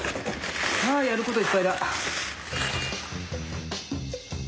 あやることいっぱいだ。